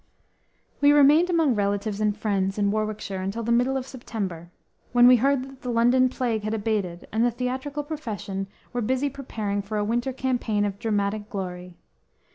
_ We remained among relatives and friends in Warwickshire until the middle of September, when we heard that the London plague had abated and the theatrical profession were busy preparing for a winter campaign of dramatic glory.